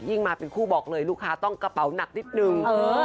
มาเป็นคู่บอกเลยลูกค้าต้องกระเป๋าหนักนิดนึง